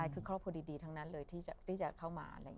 คือครอบครัวดีทั้งนั้นเลยที่จะเข้ามา